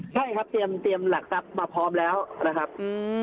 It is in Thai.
ใช่ครับเตรียมหลักทัพมาพร้อมแล้ว